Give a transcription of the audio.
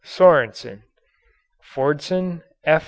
SORENSEN, Fordson, F.